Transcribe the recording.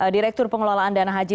direktur pengelolaan dana haji